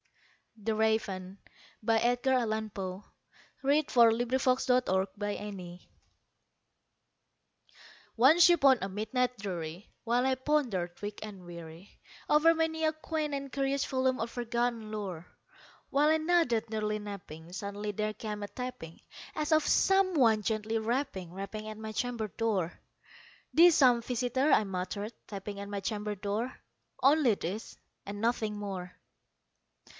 ithin a dream. Edgar Allan Poe The Raven ONCE upon a midnight dreary, while I pondered weak and weary, Over many a quaint and curious volume of forgotten lore, While I nodded, nearly napping, suddenly there came a tapping, As of some one gently rapping, rapping at my chamber door. "'Tis some visitor," I muttered, "tapping at my chamber door Only this, and nothing more."